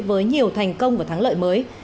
với nhiều thành công và thắng lợi mới